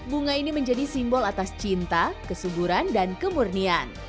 bunga ini menjadi simbol atas cinta kesuburan dan kemurnian